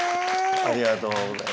ありがとうございます。